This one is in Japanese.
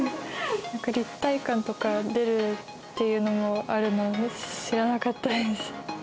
立体感とか出るっていうのもあるのも知らなかったです。